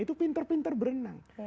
itu pintar pintar berenang